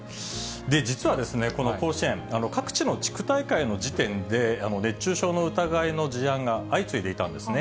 実は、この甲子園、各地の地区大会の時点で、熱中症の疑いの事案が相次いでいたんですね。